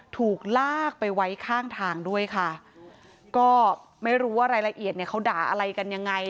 ถูกลากไปไว้ข้างทางด้วยค่ะก็ไม่รู้ว่ารายละเอียดเนี่ยเขาด่าอะไรกันยังไง